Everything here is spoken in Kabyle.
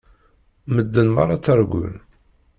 Medden meṛṛa ttargun.